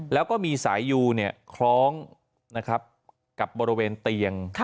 แล้วก็มีสายยูเนี่ยคล้องนะครับกับบริเวณเตียง